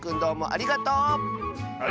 ありがとう！